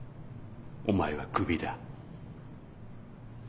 お前はクビだ。